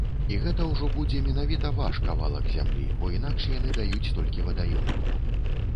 І гэта ўжо будзе менавіта ваш кавалак зямлі, бо інакш яны даюць толькі вадаём.